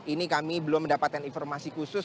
ini kami belum mendapatkan informasi khusus